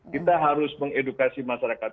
kita harus mengedukasi masyarakat